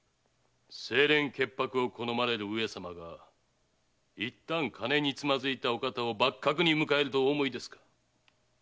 清廉潔白を好まれる上様がいったん金につまづいたお方を幕閣に迎えるとお思いですか？